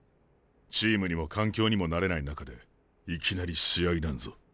チームにも環境にも慣れない中でいきなり試合なんぞ。